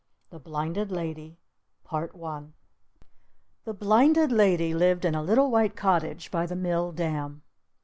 THE BLINDED LADY The Blinded Lady lived in a little white cottage by the Mill Dam.